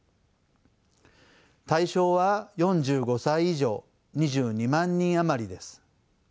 対象は４５歳以上２２万人余りです。